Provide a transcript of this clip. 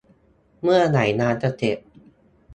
เมื่อไรงานจะเสร็จ